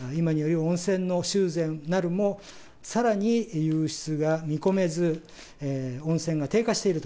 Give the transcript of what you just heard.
温泉の修繕するも、さらに湧出が見込めず、温泉が低下していると。